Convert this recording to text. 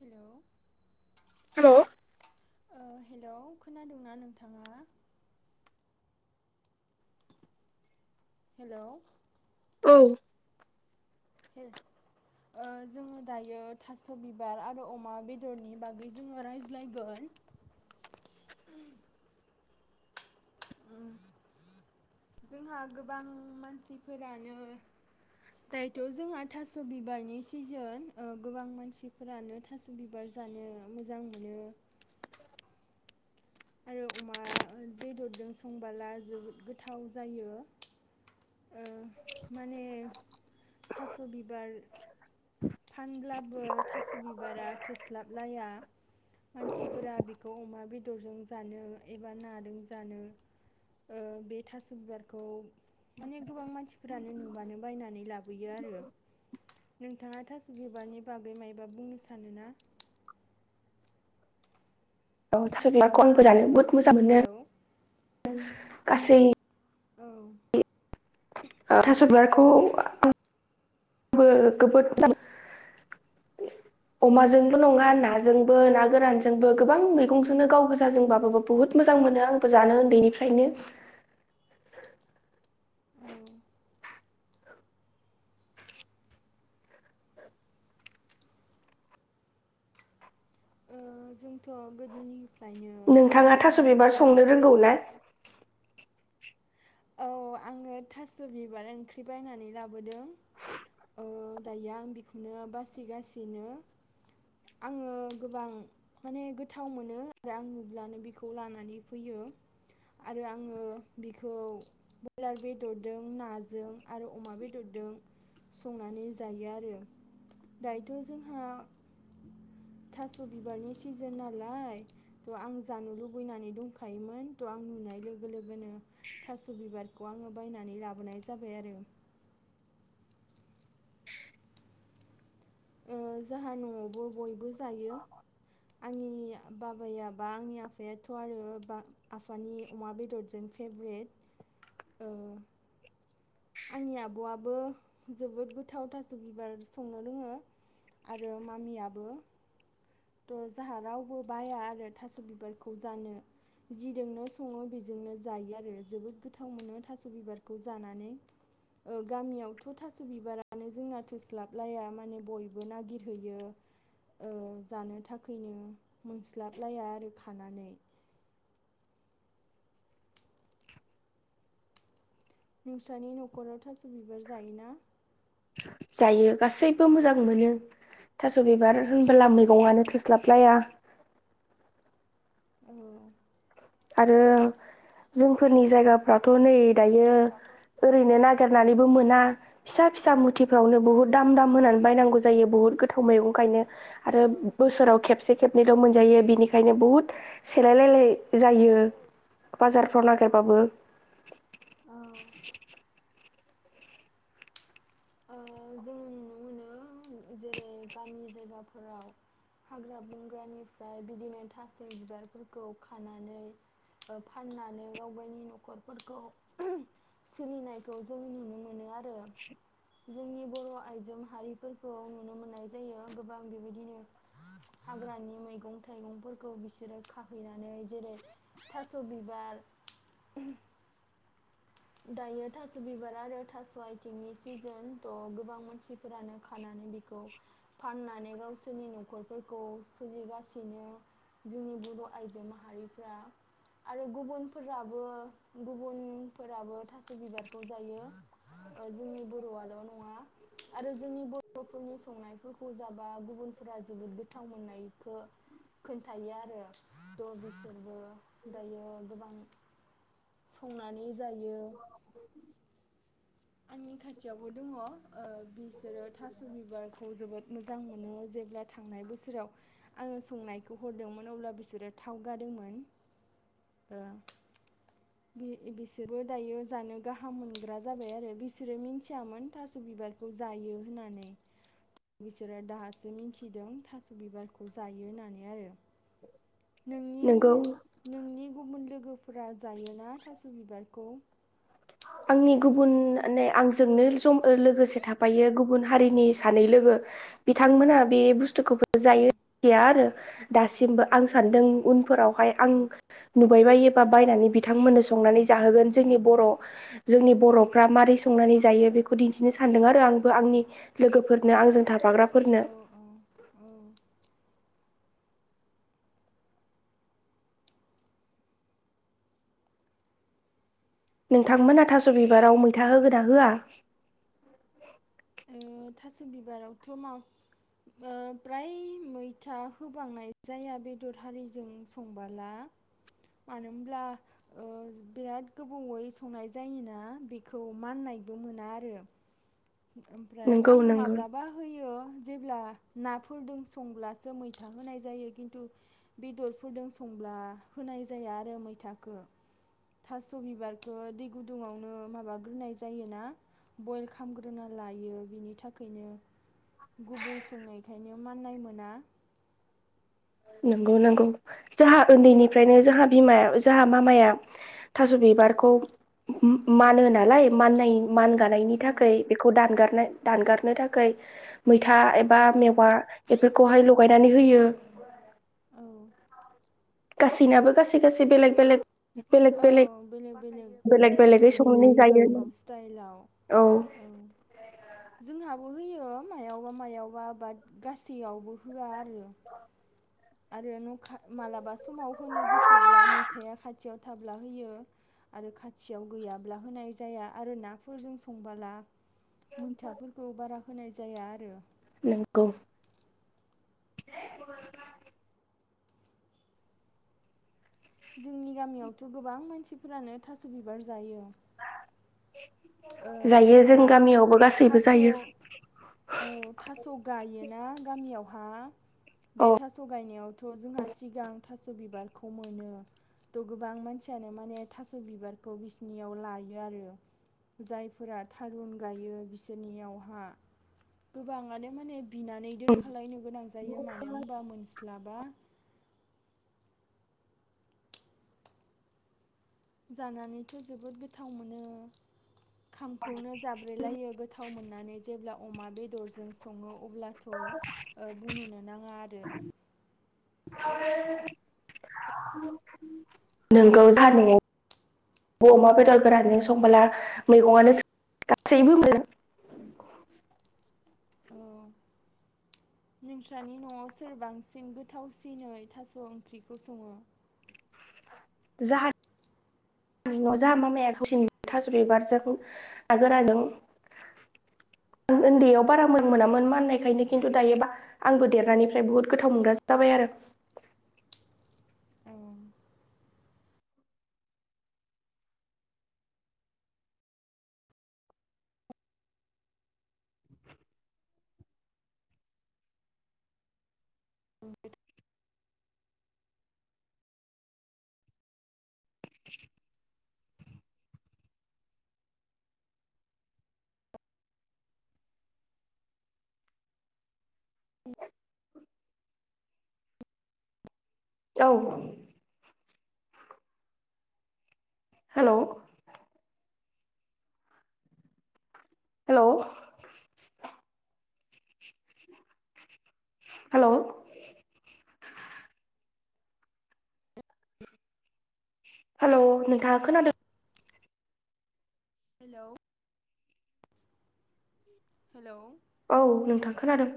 हेल' हेल' ओ हेलौ खोनादोंंना नोंथाङा? हेलौ औ ओ जोङो दायो थास' बिबार आरो अमा बेदरनि बागै जोङो रायज्लायगोन। ओम जोंहा गोबां मानसिफोरानो दायोथ' जोंहा थास' बिबारनि सिजोन गोबां मानसिफोरानो थास' बिबार जानो मोजां मोनो। आरो अमा बेदरजों संबोला जोबोद गोथाव जायो। ओ माने थास' बिबार फानब्लाबो थास' बिबारा थोस्लाबलाया मानसिफोरा बेखौ अमा बेदरजों ज जानो एबा नाजों जानो ओ बे थास बिबारखौ माने गोबां मानसिफोरानो नुबानो बायनानै लाबोयो आरो नों नोंथाङा थासबिबारनि बागै माबा बुंनो सानो ना औ [unintelligible] हेल गासै औ थास बिबारखौ आंबो [inaudible] जोबोद मोजां अमाजों जोंल नङा नाजोंबो ना गोरानजोंबो गोबां मैंजोंनो गाव गोजाजोंबाबाबो बुहुत मोजां मोनो आंबो जानो उन्दैनिफ्रायनो औ ओ जोंथ गोदोनि नोंथाङा थास बिबार संनो रोंगौ ना औ आङो थास बिबार ओंख्रि बायनानै लाबोदों औ दायो आं बेखौनो बासिगासिनो आङो गोबां माने गोथाव मोनो आरो आं नुब्लानो बेखौ लानानै फैयो आरो आङो बेखौ ब्रयलार बेदरजों नाजों आरो अमा बेदरजों संनानै जायो आरो दायोथ जोंहा थास बिबारनि सिजोन नालाय थ आं जानो लुबैनानै दंखायोमोन थ आं नुनाय लोगो लोगोनो थास बिबारखौ आङो बायनानै लाबोनाय जाबाय आरो ओ जोंहा नआवबो बयबो जायो आंनि बाबाया बा आंनि आफायाथ आरो बा आफानि अमा बेदरजों फेभ्रेट ओ आंनि आबआबो जोबोद गोथाव थास बिबार संनो रोङो आरो मामियाबो थ जाहा रावबो बाया आरो थास बिबारखौ जानो जिजोंनो सङो बेजोंनो जायो आरो जोबोद गोथाव मोनो थास बिबारखौ जानानै गामियावथ थास बिबारानो जोंना थोस्लाबलाया माने बयबो नागिरहैयो ओ जानो थाखायनो मोनस्लाबलाया आरो खानानै नोंस्रानि नखराव थास बिबार जायोना? जायो गासैबो मोजां मोनो थास बिबार होनबोला मैगंआनो थोस्लाबलाया औ आरो जोंफोरनि जायगाफ्राथ नै दायो ओरैनो ना नागिरनाबो मोना फिसा फिसा मुथि [inaudible] बुहुद दाम दाम होनानै बायनांगौ जायो जायो बहुत गोथाव मैगंखायनो आरो बोसोराव खेबसे खेबनैल मोनजायो बिनिखायनो बुहुत सेलायलायलाय जायो। बाजारफ्राव औ नागिरबाबो। औ औ जोङो नुनो मोनो, जेरै गामि जायगाफोराव हाग्रा बंग्रानिफ्राय बिदिनो थास बिबारफोरखौ खानानै फाननानै गाव गावनि नखरफोरखौ सोलिनायखौ जों नुनो मोनो आरो। जोंनि बर आइजो माहारिफोरखौ नुनो मोननाय जायो गोबां बेबायदिनो हाग्रानि मैगं थाइगंफोरखौ बिसोरो खाहैनानै जेरै थास बिबार। दायो थास बिबार आरो थास आथिंनि सिजोन, थ गोबां मानसिफोरानो खानानै बेखौ फाननानै गावसोरनि नखरफोरखौ सोलिगासिनो जोंनि बर आइजो माहारिफ्रा। आरो गुबुनफोराबो गुबुन फोराबो थास बिबारखौ जायो। जोंनि बरआल नङा आरो जोंनि बरफोरनि संनायफोरखौ जाबा गुबुनफोरा जोबोद गोथाव मोननायखौ खोन्थायो आरो ट बिसोरबो। दायो गोबां संनानै जायो। आंनि खाथियावबो दङ, बिसोरो थास बिबारखौ जोबोद मोजां मोनो जेब्ला थांनाय बोसोराव आङो संनायखौ हरदोंमोन, अब्ला बिसोरो थाव गादोंमोन। ओ बि-बिसोरबो दायो जानो गाहाम मोनग्रा जाबाय आरो। बिसोरो मिनथियामोन थास बिबारखौ जायो होननानै। बिसोरो दाहासो मिथिदों थास बिबारखौ जायो होननानै आरो। नोंनि नोंगौ नोंनि गुबुन लोगो गोफोरा जायोना थास बिबारखौ? आंनि गुबुन नै आंजोंनो ज लोगोसे थाफायो गुबुन हारिनि सानै लोगो बिथांमोना बे बुस थुखौबो औ जायो गैया आरो। दासिमबो आं सानदों उनफोरावहाय आं नुबायबायोबा बायनानै बिथांमोननो संनानै जाहोगोन जोंनि बर जोंनि बरफ्रा मारै संनानै जायो बेखौ दिन्थिनो सानदों आरो आंबो आंनि लोगोफोरनो आंजों थाब औ औ औ। नोंथांमोना थास बिबाराव मैथा होगोना होआ? ओ थास बिबारावथ मा ओ फ्राय मैथा होबांनाय जाया, बेदर हारिजों संबोला मानो हब्ला? ओ बिराद गोबावै संनाय जायोना बेखौ माननायबो मोना आरो। ओमफ्राय नंगौ आङो नंगौ माब्लाबा होयो जेब्ला नाफोरदों संब्लासो मैथा होनाय जायो, खिन्थु बेदरफोरदों संब्ला होनाय जाया आरो मैथाखो थास बिबारखो दै गुदुङावनो माबाग्रोनाय जायोना बयेल खामग्रो ग्रोना लायो बिनि थाखायनो गुबु सोंनायखायनो माननाय मोना। नोंगौ नोंगौ जोंहा ओन्दैनिफ्रायनो जोंहा बिमाया जोंहा मामाया थास बिबारखौ मानो नालाय माननाय मानगानायनि औ थाखाय बेखौ दानगारनाय दानगारनो थाखाय मैथा औ एबा मेवा बेफोरखौहाय लगायनानै होयो। औ गासैनाबो गासै गासै बेलेग बेलेग औ बेलेग बेलेग संनानै जायो गावबा गाव स्टाइलाव औ जोंहाबो बो होयो मायावबा मायावबा बाट गासैयावबो होआ आरो। आरो न खा माबलाबा समाव होनो गोसोब्ला मैथाया खाथियाव थाब्ला होयो? आरो खाथियाव गैयाब्ला होनाय जाया आरो नाफोरजों संबोला मैथाफोरखौ बारा होनाय जाया आरो। नोंगौ। [unintelligible] जोंनि गामिआवथ' गोबां मानसिफ्रानो थास' बिबार जायो। ओ जायो जोंहा जों गामियावबो गासैबो थास जायो औ थास गायो ना गामियावहा बे औ थास गायनायावथ जोंहा सिगां थास बिबारखौ मोनो थ गोबां मानसियानो माने थास बिबारखौ बिसिनियाव लायो आरो। जायफोरा थारुन गायो बिसोरनियावहा गोबाङानो माने बिनानै दोन खालायनो गोनां जायो मानो होनबा मोनस्लाबा। जानानैथ जोबोद गोथाव मोनो। खामखौनो जाब्रेलायो गोथाव मोननानै जेब्ला अमा बेदरजों सङो अब्लाथ ओ बुंनोनो नाङा आरो। [unintelligible] नोंगौ जानायआव अमा बेदर गोरानजों संबोला मैगंआनो [unintelligible] गासैबो [unintelligible] औ नोंस्रानि न'आव सोरबांसिन गोथावसिनै थास' ओंख्रिखौ सङो? जा न'आव जा मामाया गावसिनि थास' बिबारजों नागोराजों उन्दैयाव बारा मोजां मोनामोन मा ननायखायनो खिन्थु दायोबा आंबो देरनानैफ्राय बुहुद गोथाव मोनग्रा जाबाय आरो। औ। [unintelligible] औ। हेल' हेल' हेल' हेल' नोंथाङा खोनादों? हेल' हेल' औ नोंथां खोनादों।